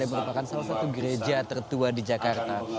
yang merupakan salah satu gereja tertua di jakarta